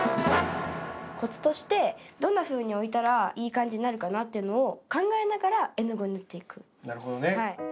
こつとして、どんなふうに置いたらいい感じになるかなっていうのを考えながらなるほどね。